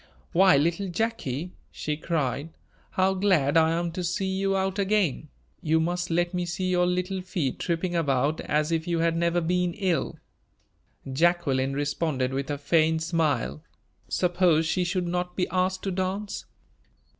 "Why, little Jacky," she cried, "how glad I am to see you out again! You must let me see your little feet tripping about as if you had never been ill." Jacqueline responded with a faint smile. Suppose she should not be asked to dance?